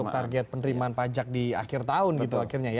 target penerimaan pajak di akhir tahun gitu akhirnya ya